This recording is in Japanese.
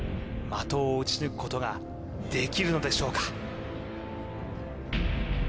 的を打ち抜くことができるのでしょうか？